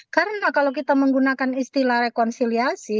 karena kalau kita menggunakan istilah rekonsiliasi